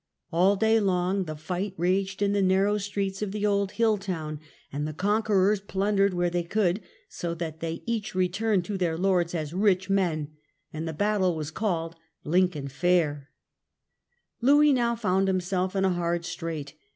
All day long the fight raged in the narrow streets of the old hill town, and the conquerors plundered ;where they could, so that " they each returned to their lords as rich men", and the battle was called * Lincoln Fair*. Louis now found himself in a hard strait.